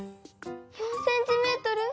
４ｃｍ？